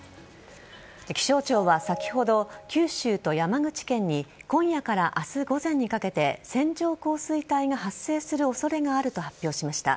気象庁は先ほど九州と山口県に今夜から明日午前にかけて線状降水帯が発生する恐れがあると発表しました。